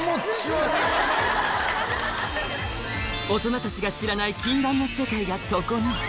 大人たちが知らない禁断の世界がそこに。